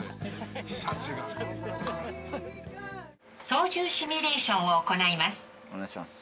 操縦シミュレーションを行います。